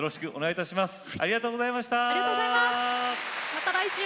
また来週。